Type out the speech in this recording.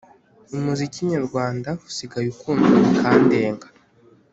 Umuziki nyarwanda usigaye ukundwa bikandenga